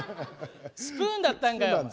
スプーンだったんかよ！